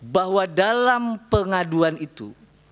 bahwa dalam pengaduan itu